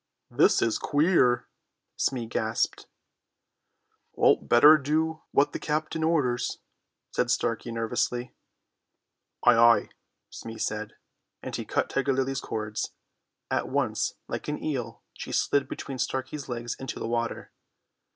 "This is queer!" Smee gasped. "Better do what the captain orders," said Starkey nervously. "Ay, ay," Smee said, and he cut Tiger Lily's cords. At once like an eel she slid between Starkey's legs into the water.